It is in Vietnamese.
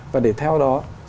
và để theo đó